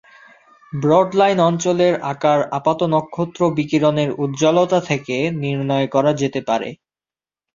Broad-line অঞ্চলের আকার আপাত-নক্ষত্র বিকিরণের উজ্জ্বলতা থেকে নির্ণয় করা যেতে পারে।